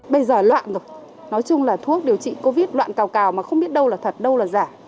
bây giờ loạn rồi nói chung là thuốc điều trị covid đoạn cao cào mà không biết đâu là thật đâu là giả